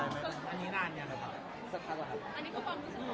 อันนี้นานแล้วครับ